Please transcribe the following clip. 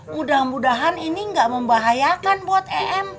mudah mudahan ini gak membahayakan buat em